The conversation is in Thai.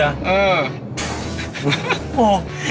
เออ